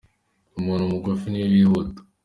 Umuntu mugufi niwe wihuta.